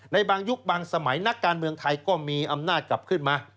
ในบางยุคบางสมัยนักการเมืองไทยก็มีอำนาจกลับขึ้นมา